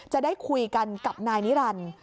จะได้คุยกันกับนายนิรันดิ์